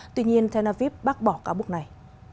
tuy nhiên tel aviv bác bỏ cáo buộc này